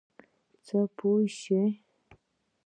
څه پوه شوې؟